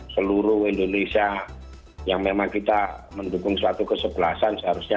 seluruh indonesia yang memang kita mendukung suatu kesebelasan seharusnya